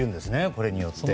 これによって。